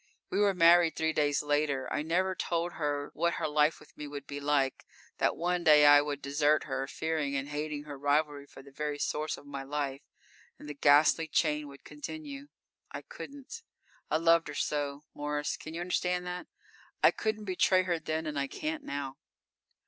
We were married three days later. I never told her what her life with me would be like that one day I would desert her, fearing and hating her rivalry for the very source of my life, and the ghastly chain would continue. I couldn't. I loved her so, Morris, can you understand that? I couldn't betray her then and I can't now.